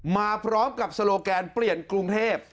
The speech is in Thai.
มาพร้อมกับโซโลแกนเปลี่ยนกรุงเทพ